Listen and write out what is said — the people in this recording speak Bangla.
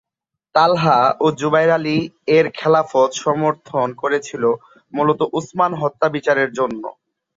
তালহা ও জুবায়ের আলী এর খিলাফত সমর্থন করেছিল মূলত উসমান হত্যা বিচারের জন্য।